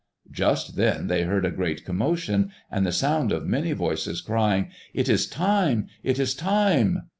Just then they heard a great commotion, and the sound of many voices crying, "It is time! it is time!"